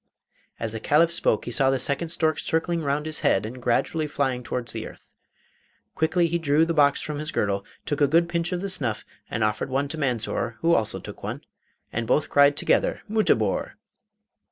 As the Caliph spoke he saw the second stork circling round his head and gradually flying towards the earth. Quickly he drew the box from his girdle, took a good pinch of the snuff, and offered one to Mansor, who also took one, and both cried together 'Mutabor!